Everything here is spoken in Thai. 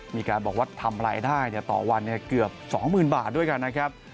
มีการบอกว่าทำรายได้ต่อวันเกือบ๒๐๐๐บาทด้วยกันนะครับ